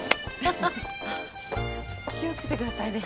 気をつけてくださいね。